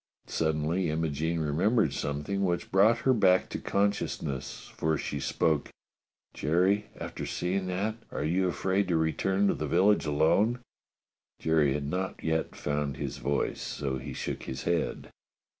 Suddenly Imogene remembered something which brought her back to consciousness, for she spoke: "Jerry, after seeing that, are you afraid to return to the village alone. f^" Jerry had not yet found his voice, so he shook his head.